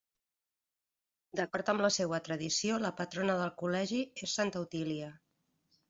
D'acord amb la seua tradició, la patrona del Col·legi és Santa Otília.